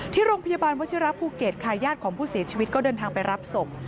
ที่โรงพยาบาลวัชิระภูเก็ตค่ะญาติของผู้เสียชีวิตก็เดินทางไปรับศพ